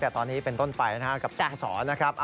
แต่ตอนนี้เป็นต้นไปกับสอนะครับ